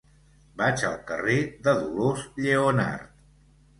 Vaig al carrer de Dolors Lleonart.